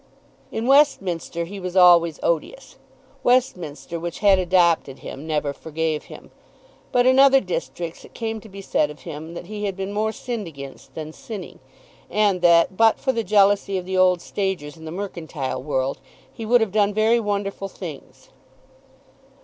In Westminster he was always odious. Westminster, which had adopted him, never forgave him. But in other districts it came to be said of him that he had been more sinned against than sinning; and that, but for the jealousy of the old stagers in the mercantile world, he would have done very wonderful things.